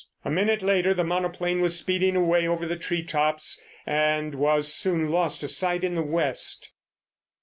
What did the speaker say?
A minute later the monoplane was speeding away over the tree tops and was soon lost to sight in the West.